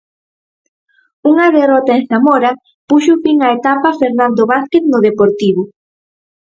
Unha derrota en Zamora puxo fin á etapa Fernando Vázquez no Deportivo.